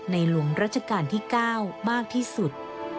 หลวงรัชกาลที่๙มากที่สุด